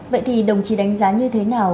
vậy thì đồng chí đánh giá như thế nào